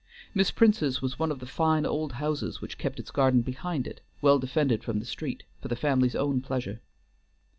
Miss Prince's was one of the fine old houses which kept its garden behind it, well defended from the street, for the family's own pleasure.